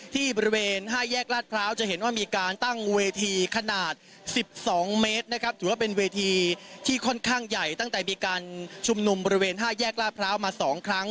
ที่บริเวณ๕แยกลาดพร้าวจะเห็นว่ามีการตั้งเวทีขนาด๑๒เมตรนะครับถือว่าเป็นเวทีที่ค่อนข้างใหญ่ตั้งแต่มีการชุมนุมบริเวณ๕แยกลาดพร้าวมา๒ครั้ง